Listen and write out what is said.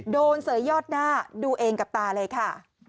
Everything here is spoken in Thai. เสยยอดหน้าดูเองกับตาเลยค่ะ